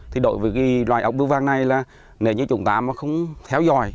thì đối với cái loài ốc bưu vàng này là nếu như chúng ta mà không theo dõi